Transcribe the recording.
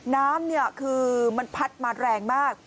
น้ำคือมันพัดมาแรงมาก